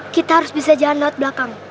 kita harus bisa jalan lewat belakang